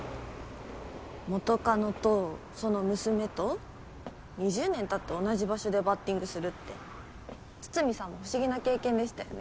元カノとその娘と２０年経って同じ場所でバッティングするって筒見さんも不思議な経験でしたよね。